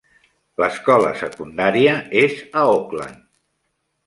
L'escola secundària és a Oakland.